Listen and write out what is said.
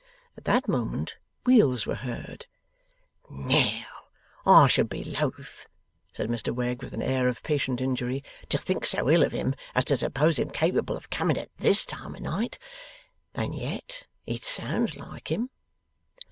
At that moment wheels were heard. 'Now, I should be loth,' said Mr Wegg, with an air of patient injury, 'to think so ill of him as to suppose him capable of coming at this time of night. And yet it sounds like him.